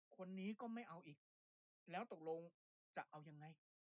คนนี้ก็ไม่เอาอีกแล้วตกลงจะเอายังไง